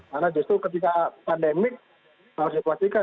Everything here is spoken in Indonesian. karena justru ketika pandemi harus dikuasikan